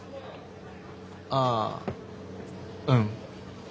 ああうん。